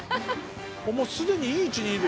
もう既にいい位置にいる。